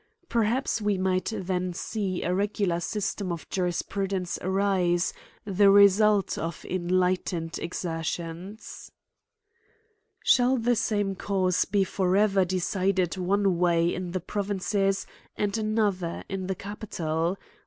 Perhaps we might then see a regular systena of. Jurisprudence arise, the result of en lightened exertions^ Shall the same cause be forever decided one way in the provinces and another in the capital